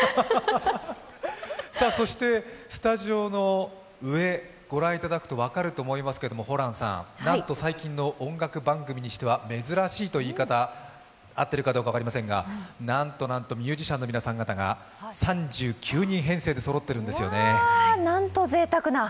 そして、スタジオの上ご覧いただくと分かると思いますけどなんと最近の音楽番組にしては珍しいという言い方合っているかわかりませんが、なんとなんと、ミュージシャンの皆さん方が３９人編成でそろっているんですよね。